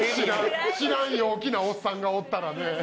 知らん陽気なおっさんがおったらね。